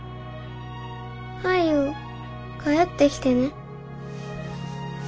早う帰ってきてね。